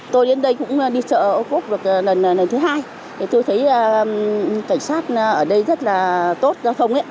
tôi đến đây cũng đi chợ ốc úc lần thứ hai tôi thấy cảnh sát ở đây rất là tốt giao thông